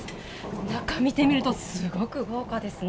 中見てみるとすごく豪華ですね。